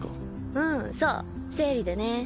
うんそう生理でね